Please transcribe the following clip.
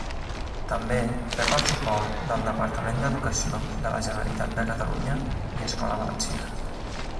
També rep el suport del Departament d'Educació de la Generalitat de Catalunya i Escola Valenciana.